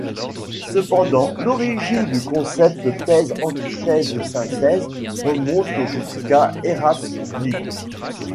Cependant, l'origine du concepts thèse-antithèse-synthèse remonte jusqu'à Héraclite.